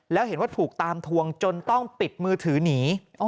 แล้วเห็นว่าถูกตามทวงจนต้องปิดมือถือหนี